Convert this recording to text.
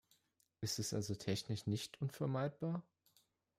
Ist es also technisch nicht unvermeidbar?